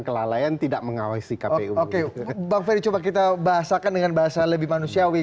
kelalaian tidak mengawasi kpu oke bang ferry coba kita bahasakan dengan bahasa lebih manusiawi